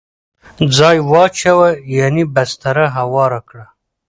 ځای واچوه ..یعنی بستره هواره کړه